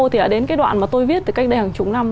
thì đã đến cái đoạn mà tôi viết từ cách đây hàng chục năm